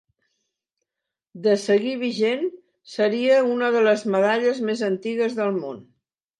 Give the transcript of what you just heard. De seguir vigent seria una de les medalles més antigues del món.